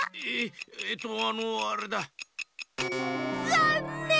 ざんねん！